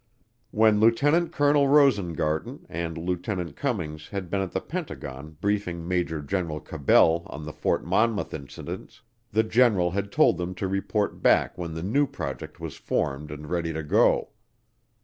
When Lieut. Colonel Rosengarten and Lieutenant Cummings had been at the Pentagon briefing Major General Cabell on the Fort Monmouth incidents, the general had told them to report back when the new project was formed and ready to go.